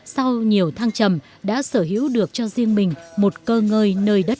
sau nhiều thăng trầm đã sở hữu được cho riêng mình một cơ ngơi